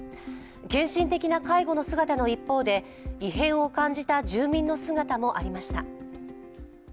献身的な介護の姿の一方で、異変を感じた住民の姿もありました。